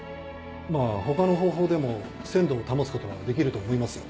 まぁ他の方法でも鮮度を保つことはできると思いますよ。